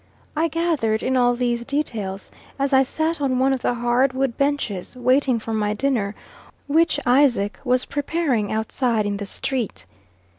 I gathered in all these details as I sat on one of the hard wood benches, waiting for my dinner, which Isaac was preparing outside in the street.